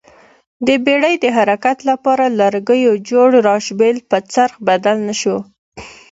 د بېړۍ د حرکت لپاره لرګیو جوړ راشبېل په څرخ بدل نه شو